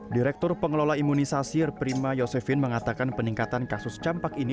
direktur pengelola imunisasi reprima yosefin mengatakan peningkatan kasus campak ini